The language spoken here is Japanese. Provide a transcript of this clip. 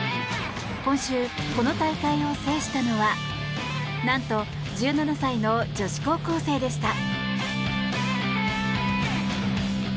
今週、この大会を制したのは何と１７歳の女子高校生でした。